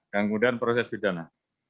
dan kemudian proses pidana